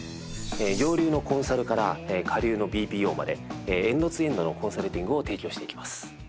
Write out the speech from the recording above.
上流のコンサルから下流のＢＰＯまでエンドツーエンドのコンサルティングを提供していきます。